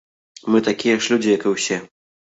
Мы такія ж людзі, як і ўсе.